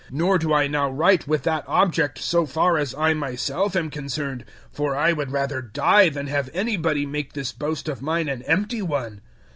Nor do I now write with that object so far as I myself am concerned, for I would rather die than have anybody make this boast of mine an empty one.